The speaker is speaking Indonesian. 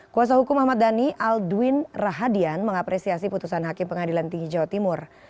kuasa hukum ahmad dhani aldwin rahadian mengapresiasi putusan hakim pengadilan tinggi jawa timur